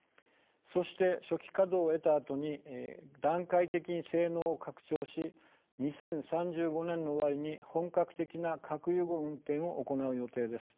そして初期稼働を経たあとに段階的に性能を拡張し２０３５年の終わりに本格的な核融合運転を行う予定です。